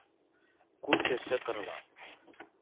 Күп кеше ҡырыла.